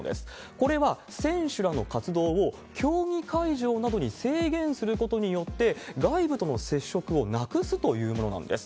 これは、選手らの活動を競技会場などに制限することによって、外部との接触をなくすというものなんです。